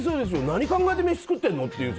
何考えて飯食ってるのって。